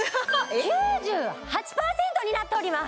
９８％になっております